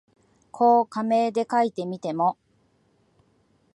こう仮名で書いてみても、